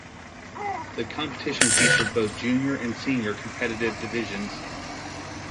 The competition featured both junior and senior competitive divisions.